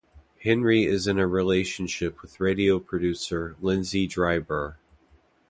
Henry is in a relationship with radio producer Linzi Dryburgh.